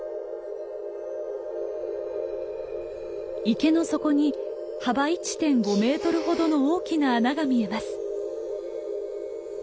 池の底に幅１．５メートルほどの大きな穴が見えます。